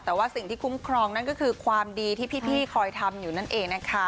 แต่ว่าสิ่งที่คุ้มครองนั่นก็คือความดีที่พี่คอยทำอยู่นั่นเองนะคะ